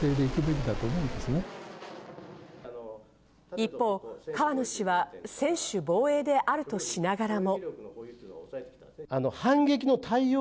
一方、河野氏は、専守防衛であるとしながらも。